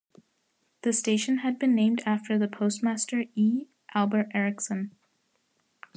The station had been named after the Postmaster, E. Albert Erickson.